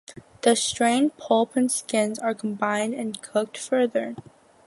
The strained pulp and skins are then combined and cooked further.